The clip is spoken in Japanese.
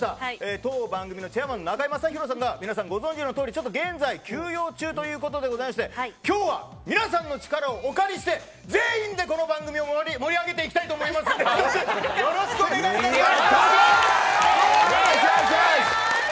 当番組のチェアマン中居正広さんがご存じのとおり現在休養中ということでございまして今日は皆さんの力をお借りして全員でこの番組を盛り上げていきたいと思いますのでよろしくお願いします。